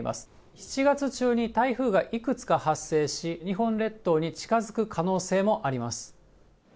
７月中に、台風がいくつか発生し、日本列島に近づく可能性もあります。